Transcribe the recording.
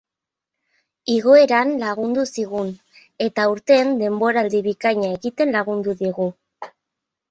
Igoeran lagundu zigun, eta aurten denboraldi bikaina egiten lagundu digu.